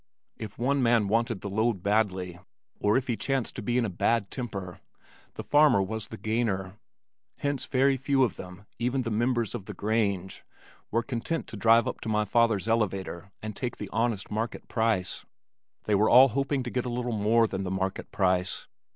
If one man wanted the load badly, or if he chanced to be in a bad temper, the farmer was the gainer. Hence very few of them, even the members of the Grange, were content to drive up to my father's elevator and take the honest market price. They were all hoping to get a little more than the market price.